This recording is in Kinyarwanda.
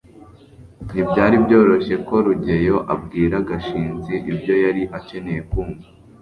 ntibyari byoroshye ko rugeyo abwira gashinzi ibyo yari akeneye kumva